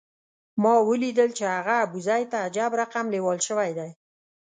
ما ولیدل چې هغه ابوزید ته عجب رقم لېوال شوی دی.